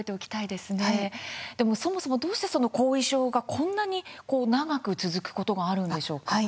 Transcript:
でもそもそもどうしてその後遺症がこんなに長く続くことがあるんでしょうか？